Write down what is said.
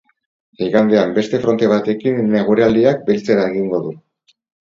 Igandean beste fronte batekin eguraldiak beltzera egingo du.